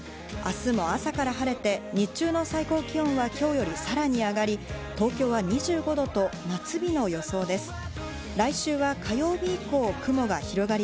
明日も朝から晴れて、日中の最高気温は今日よりさらに上がり、東京は２５度と夏日の予想です。